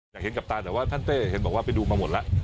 อยากเห็นกับตาแต่ว่าท่านเต้เห็นบอกว่าไปดูมาหมดแล้ว